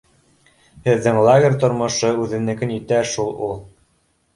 Һеҙҙең лагерь тормошо үҙенекен итә шул ул